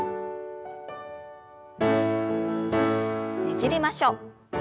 ねじりましょう。